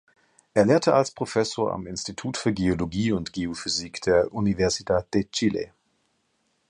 Er lehrte als Professor am Institut für Geologie und Geophysik der Universidad de Chile.